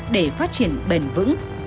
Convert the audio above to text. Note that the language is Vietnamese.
để phát triển bền vững